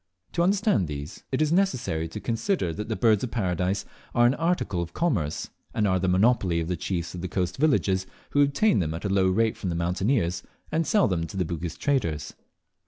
To understand these, it is necessary to consider that the Birds of Paradise are an article of commerce, and are the monopoly of the chiefs of the coast villages, who obtain them at a low rate from the mountaineers, and sell them to the Bugis traders.